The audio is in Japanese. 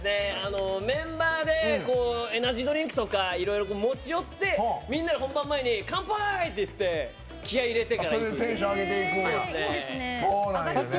メンバーでエナジードリンクとかいろいろ持ち寄って本番前に「乾杯！」って言って気合いを入れてからいくんです。